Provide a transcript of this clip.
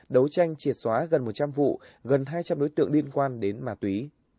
đấu tranh triệt xóa gần một trăm linh vụ gần hai trăm linh đối tượng liên quan đến ma túy